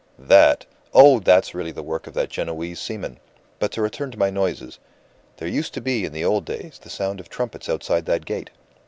that! oh, that's really the work of that Genoese seaman! But to return to my noises; there used to be in the old days the sound of trumpets outside that gate.